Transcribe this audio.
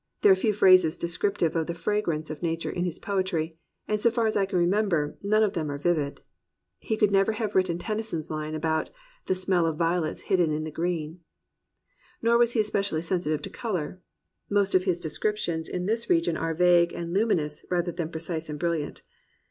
There are few phrases descriptive of the fragrance of nature in his poetry, and so far as I can remember none of them are vivid. He could never have written Tennyson's line about "The smell of violets hidden in the green." Nor was he especially sensitive to colour. Most of his descriptions in this region are vague and luminous, rather than precise and brilliant.